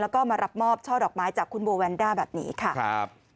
แล้วก็มารับมอบช่อดอกไม้จากคุณโบแวนด้าแบบนี้ค่ะครับ